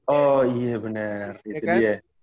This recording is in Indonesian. oh iya benar itu dia